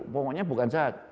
pokoknya bukan jahat